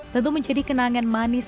tentu menjadi kenangan manis